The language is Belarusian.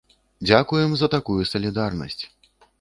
Дзякуем за такую салідарнасць.